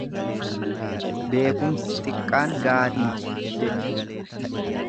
Beekumsi xiqqaan gaarii miti jechuudha.